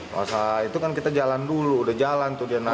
masa itu kan kita jalan dulu udah jalan tuh dia naik